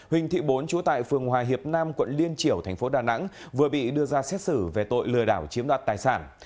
huỳnh thị bốn trú tại phường hòa hiệp nam quận liên triểu thành phố đà nẵng vừa bị đưa ra xét xử về tội lừa đảo chiếm đoạt tài sản